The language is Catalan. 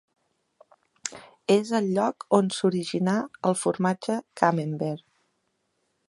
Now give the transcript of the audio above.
És el lloc on s'originà el formatge camembert.